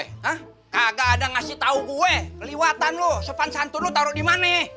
hah kagak ada ngasih tau gue keliwatan lo sepan santun lo taruh dimana